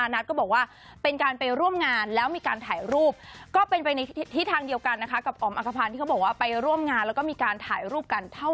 นัทก็บอกว่าเป็นการไปร่วมงานแล้วมีการถ่ายรูป